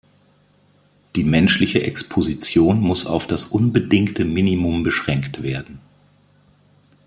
Die menschliche Exposition muss auf das unbedingte Minimum beschränkt werden.